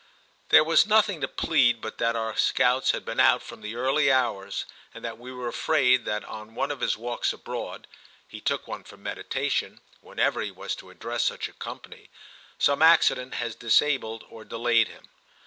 There was nothing to plead but that our scouts had been out from the early hours and that we were afraid that on one of his walks abroad—he took one, for meditation, whenever he was to address such a company—some accident had disabled or delayed him.